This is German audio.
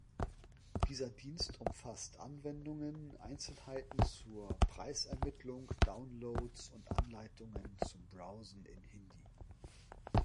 Dieser Dienst umfasst Anwendungen, Einzelheiten zur Preisermittlung, Downloads und Anleitungen zum Browsen in Hindi.